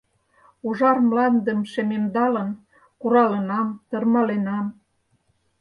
Ужар мландым шемемдалын, куралынам, тырмаленам